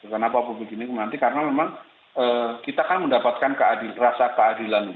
kenapa publik ini menanti karena memang kita kan mendapatkan rasa keadilan